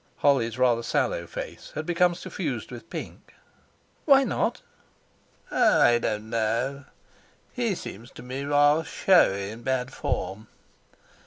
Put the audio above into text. Holly's rather sallow face had become suffused with pink. "Why not?" "Oh! I don't know. He seems to me rather showy and bad form.